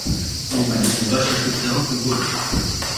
Snoubenec nebyl šlechtického původu.